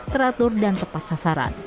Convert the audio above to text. teratur dan tepat sasaran